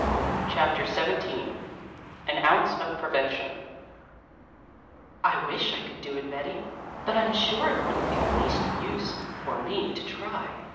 CHAPTER XVII AN OUNCE OF PREVENTION "I wish I could do it, Betty, but I'm sure it wouldn't be the least use for me to try.